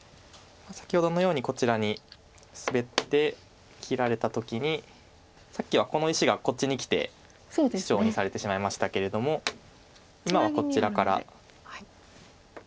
先ほどのようにこちらにスベって切られた時にさっきはこの石がこっちにきてシチョウにされてしまいましたけれども今はこちらから。